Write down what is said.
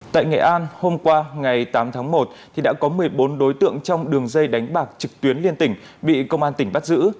tại nghệ an hôm qua ngày tám tháng một đã có một mươi bốn đối tượng trong đường dây đánh bạc trực tuyến liên tỉnh bị công an tỉnh bắt giữ